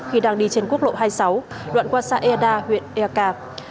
khi đang đi trên quốc lộ hai mươi sáu đoạn qua xã eda huyện eka